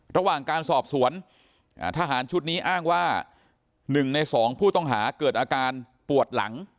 ระหว่างการสอบสวนทหารชุดนี้อ้างว่า๑ใน๒ผู้ต้องหาเกิดอาการปวดหลัง